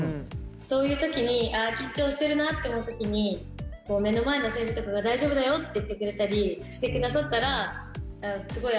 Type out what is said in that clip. そういう時にああ緊張してるなって思う時に目の前の先生とかが大丈夫だよって言ってくれたりしてくださったらスゴイ安心するなって。